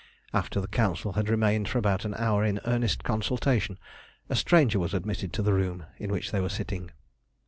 After the Council had remained for about an hour in earnest consultation, a stranger was admitted to the room in which they were sitting.